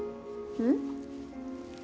うん？